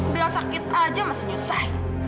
udah sakit aja masih nyusah